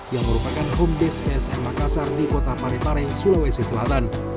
yang merupakan home base psm makassar di kota parepare sulawesi selatan